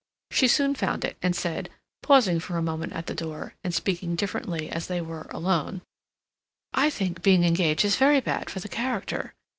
She soon found it, and said, pausing for a moment at the door, and speaking differently as they were alone: "I think being engaged is very bad for the character."